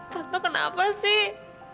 tante kenapa sih